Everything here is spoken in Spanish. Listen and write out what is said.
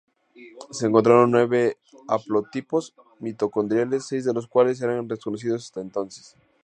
Se encontraron nueve haplotipos mitocondriales, seis de los cuales eran desconocidos hasta entonces.